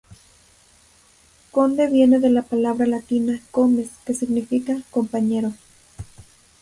Conde viene de la palabra latina "comes" que significa "compañero".